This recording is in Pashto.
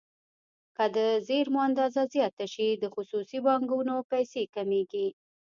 که د زېرمو اندازه زیاته شي د خصوصي بانکونو پیسې کمیږي.